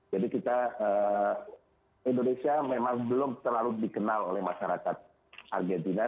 jadi kita indonesia memang belum terlalu dikenal oleh masyarakat argentina